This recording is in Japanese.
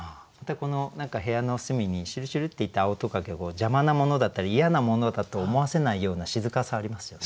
何か部屋の隅にしゅるしゅるっていた青蜥蜴を邪魔なものだったり嫌なものだと思わせないような静かさありますよね。